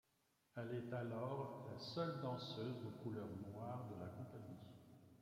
Elle est alors la seule danseuse de couleur noire de la compagnie.